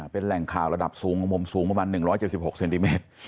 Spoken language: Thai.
เป็นแหล่งข่าวระดับสูงของมุมสูงประมาณ๑๗๖เซนติเมตร